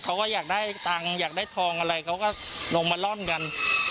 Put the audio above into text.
เขาก็อยากได้ตังค์อยากได้ทองอะไรเขาก็ลงมาร่อนกัน